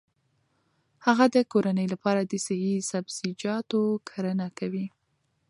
هغه د کورنۍ لپاره د صحي سبزیجاتو کرنه کوي.